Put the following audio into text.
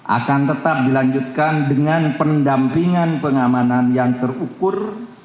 akan tetap dilanjutkan dengan pendampingan pengamanan yang terukur